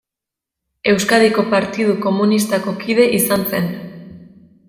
Euskadiko Partidu Komunistako kide izan zen.